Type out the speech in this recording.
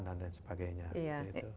dan lain sebagainya ya